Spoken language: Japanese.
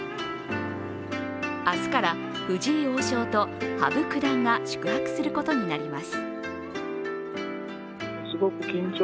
明日から藤井王将と、羽生九段が宿泊することになります。